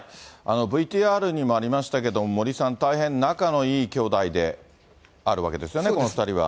ＶＴＲにもありましたけども、森さん、大変仲のいい兄弟であるわけですよね、この２人は。